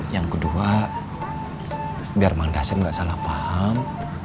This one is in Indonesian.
yang kedua biar manda sip nggak salah paham